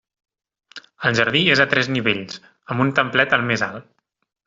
El jardí és a tres nivells, amb un templet al més alt.